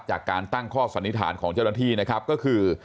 จากการตั้งข้อสันนิษฐานของเจ้าหน้าที่นะครับก็คือ